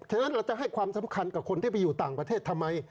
ฉะนั้นเราจะให้ความสำคัญกับคนที่ไปอยู่ต่างประเทศทำไม